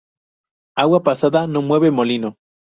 Agua pasada no mueve molino